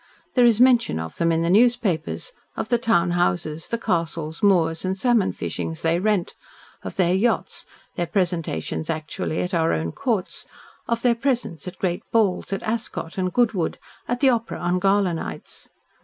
There is mention of them in the newspapers, of the town houses, the castles, moors, and salmon fishings they rent, of their yachts, their presentations actually at our own courts, of their presence at great balls, at Ascot and Goodwood, at the opera on gala nights.